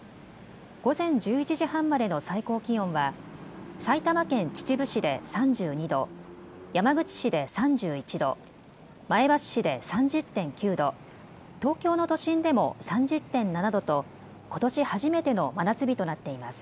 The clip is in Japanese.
午前１１時半までの最高気温は埼玉県秩父市で３２度、山口市で３１度、前橋市で３０．９度、東京の都心でも３０．７度とことし初めての真夏日となっています。